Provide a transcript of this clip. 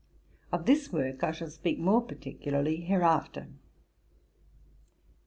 Of this work I shall speak more particularly hereafter.